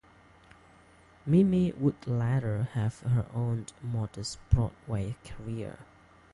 Mimi would later have her own modest Broadway career.